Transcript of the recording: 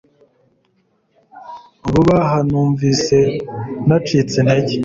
Vuba aha numvise nacitse intege.